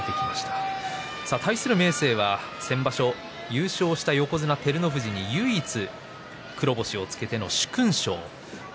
対する明生、先場所優勝した横綱照ノ富士に唯一黒星をつけての殊勲賞でした。